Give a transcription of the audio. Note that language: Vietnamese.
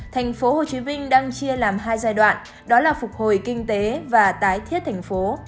tp hcm đang chia làm hai giai đoạn đó là phục hồi kinh tế và tái thiết thành phố